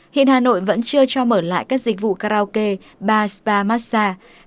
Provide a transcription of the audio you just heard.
hiện hà nội vẫn chưa cho mở lại các dịch vụ karaoke ba spa massage